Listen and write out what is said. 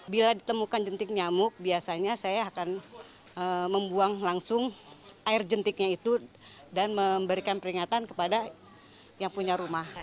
bila ditemukan jentik nyamuk biasanya saya akan membuang langsung air jentiknya itu dan memberikan peringatan kepada yang punya rumah